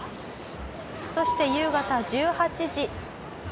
そして夕方１８時。